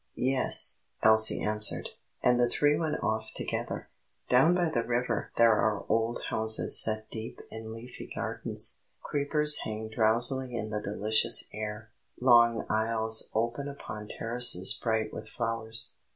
"Yes," Elsie answered; and the three went off together. Down by the river there are old houses set deep in leafy gardens; creepers hang drowsily in the delicious air; long aisles open upon terraces bright with flowers.